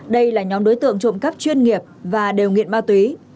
đây là nhóm đối tượng trộm cắp chuyên nghiệp và đều nghiện ma túy